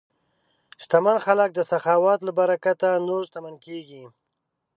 شتمن خلک د سخاوت له برکته نور شتمن کېږي.